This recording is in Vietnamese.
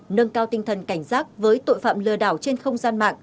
nâng cao tinh thần cảnh giác với tội phạm lừa đào trên sân